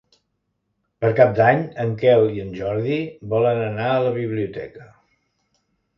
Per Cap d'Any en Quel i en Jordi volen anar a la biblioteca.